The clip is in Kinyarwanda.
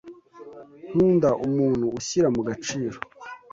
nkunda umuntu ushyira mu gaciro